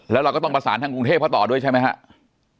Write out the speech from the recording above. แล้วเราก็ต้องประสานทางกรุงเทพเขาต่อด้วยใช่ไหมครับ